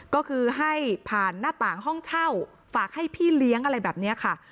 ก็คือให้ผ่านหน้าต่างห้องเช่าฝากให้พี่เลี้ยงอะไรแบบนี้ค่ะ